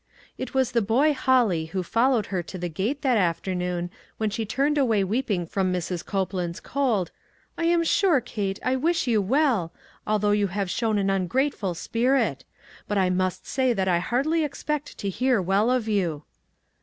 It was the boy Holly who followed her to the gate that afternoon when she turned away weeping from Mrs. Copeland's cold —" I am sure, Kate, I wish you well, al though you have shown an ungrateful spirit ; but I must say that I hardly expect to hear well of you."